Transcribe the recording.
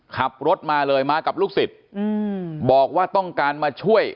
ขับรถมาเลยมากับลูกศิษย์บอกว่าต้องการมาช่วย